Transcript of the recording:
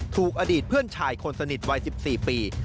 ถูกอดีตเพื่อนชายคนสนิทวัย๑๔ปี